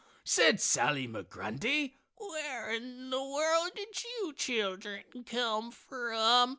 said Sally Migrundy, "Where in the world did you children come from?"